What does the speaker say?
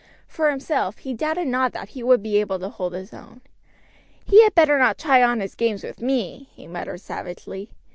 For himself he doubted not that he would be able to hold his own. "He had better not try on his games with me," he muttered savagely.